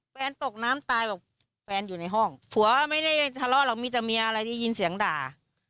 ตกน้ำตายบอกแฟนอยู่ในห้องผัวไม่ได้ทะเลาะหรอกมีแต่เมียอะไรได้ยินเสียงด่า